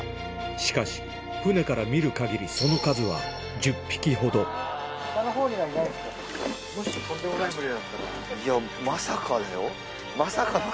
しかし船から見る限りその数はいやまさかだよ。